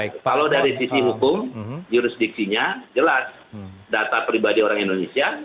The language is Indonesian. kalau dari sisi hukum jurisdiksinya jelas data pribadi orang indonesia